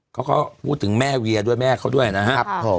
เขาก็พูดถึงแม่เวียด้วยแม่เขาด้วยนะครับผม